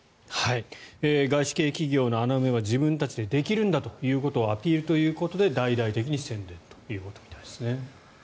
外資系企業の穴埋めは自分たちでできるんだということをアピールということで大々的に宣伝ということみたいですね。